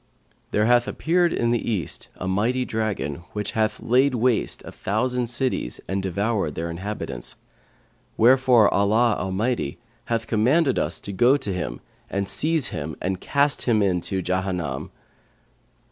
There hath appeared in the East a mighty dragon, which hath laid waste a thousand cities and devoured their inhabitants; wherefore Allah Almighty hath commanded us to go to him and seize him and cast him into Jahannam.'